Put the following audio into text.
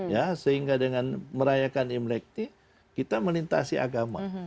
ya sehingga dengan merayakan imlek ini kita melintasi agama